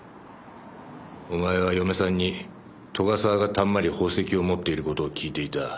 お前は嫁さんに斗ヶ沢がたんまり宝石を持っている事を聞いていた。